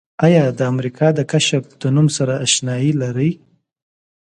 آیا د امریکا د کشف د نوم سره آشنایي لرئ؟